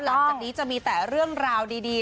หลังจากนี้จะมีแต่เรื่องราวดี